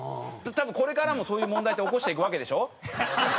多分これからもそういう問題って起こしていくわけでしょ？